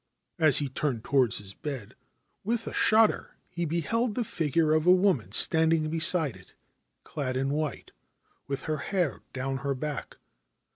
As he turned towards his bed, with a shudder he beheld the figure of a woman standing beside it, clad in white, with her hair down her back.